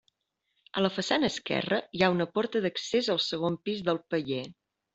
A la façana esquerra hi ha una porta d'accés al segon pis del paller.